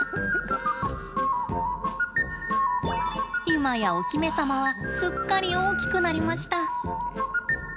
今やお姫様はすっかり大きくなりました。